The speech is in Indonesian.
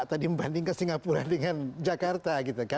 tadi membandingkan singapura dengan jakarta